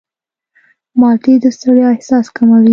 مالټې د ستړیا احساس کموي.